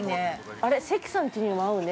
◆あれ、関さん家にも合うね。